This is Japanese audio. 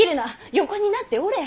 横になっておれ！